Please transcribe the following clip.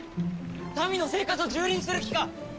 民の生活を蹂躙する気か！